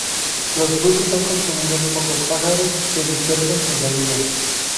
Los frutos con consumidos por los pájaros que dispersan sus semillas.